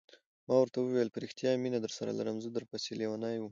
ما ورته وویل: په رښتیا مینه درسره لرم، زه در پسې لیونی وم.